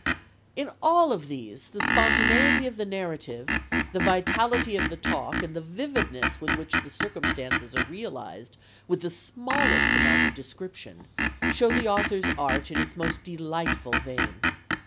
In all of these the spontaneity of the narrative, the vitality of the talk and the vividness with which the circumstances are realized with the smallest amount of description show the author's art in its most delightful vein.